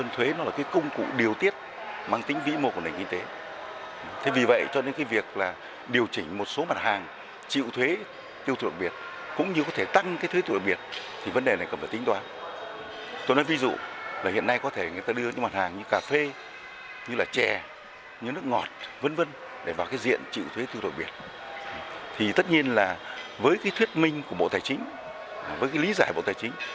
thì tất nhiên là với cái thuyết minh của bộ tài chính với cái lý giải của bộ tài chính